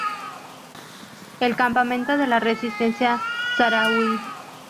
El campamento de la Resistencia Saharaui.